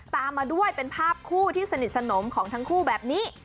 ตามมาด้วยเป็นภาพคู่ที่สนิทสนมของทั้งคู่แบบนี้